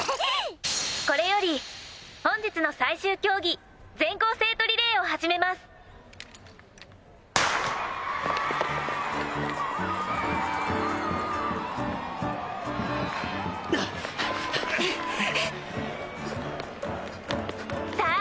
これより本日の最終競技全校生徒リレーを始めますさあ